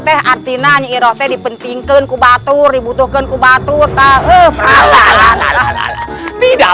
teh artinanya irah di pentingkan kubatur dibutuhkan kubatur tahu lalalalalala tidak